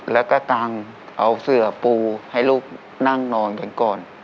และก็เอาสื่อปูให้ลูกนั่งนอนกันก่อน